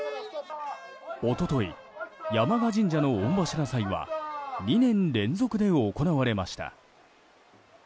一昨日、山家神社の御柱祭は２年連続で行われました。